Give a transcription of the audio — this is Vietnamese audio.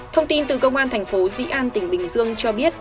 thông tin từ công an thành phố dĩ an tỉnh bình dương cho biết